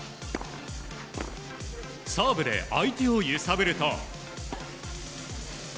サーブで相手を揺さぶると。